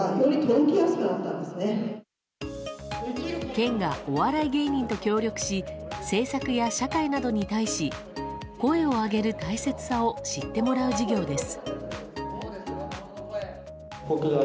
県がお笑い芸人と協力し政策や社会などに対し声を上げる大切さを知ってもらう授業です。